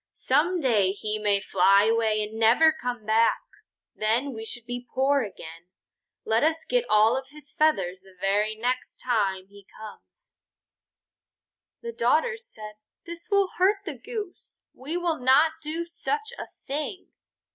Some day he may fly away and never come back. Then we should be poor again. Let us get all of his feathers the very next time he comes." The daughters said: "This will hurt the Goose. We will not do such a thing."